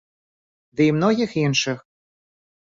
Ды і многіх іншых.